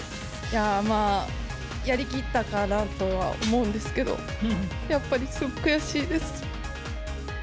まあ、やりきったかなとは思うんですけど、やっぱりすごく悔しいです。